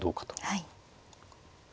はい。